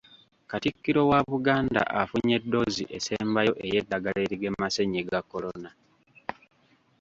Katikkiro wa Buganda afunye ddoozi esembayo ey’eddagala erigema ssennyiga Corona.